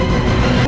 nih ga ada apa apa